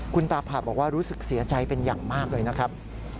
คุณตาผาดบอกว่ารู้สึกเสียใจเป็นอย่างมากเลยนะครับ